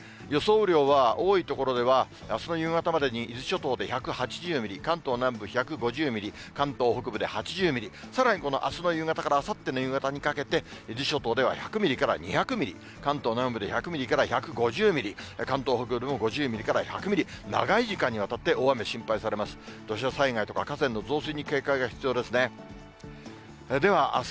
雨量は、多い所では、あすの夕方までに伊豆諸島で１８０ミリ、関東南部１５０ミリ、関東北部で８０ミリ、さらにあすの夕方からあさっての夕方にかけて、伊豆諸島では１００ミリから２００ミリ、関東南部で１００ミリから１５０ミリ、関東北部でも５０ミリから１００ミリ、長い時間にわたって、大雨、心配されます。